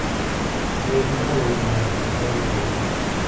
Lerdo y la Calzada de Vallejo.